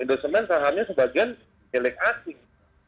namun sahamnya sebagian elek asing